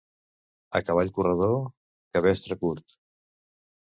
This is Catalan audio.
A cavall corredor, cabestre curt.